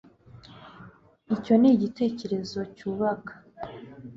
Icyo ni igitekerezo cyubaka